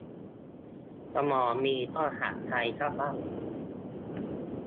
สมองมีก็หัดใช้กันซะบ้าง